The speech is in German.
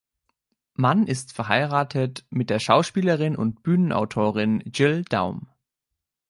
Mann ist verheiratet mit der Schauspielerin und Bühnenautorin Jill Daum.